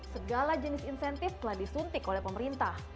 segala jenis insentif telah disuntik oleh pemerintah